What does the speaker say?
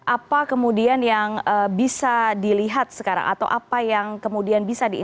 apa kemudian yang bisa dilihat sekarang atau apa yang kemudian bisa